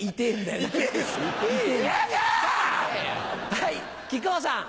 はい木久扇さん。